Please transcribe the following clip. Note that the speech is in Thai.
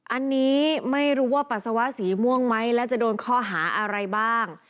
อันนี้ไม่รู้ว่าปัสสาวะสีม่วงไหมและจะโดนข้อหาอะไรบ้าง